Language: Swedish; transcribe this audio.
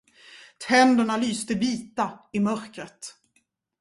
Tänderna lyste vita i mörkret.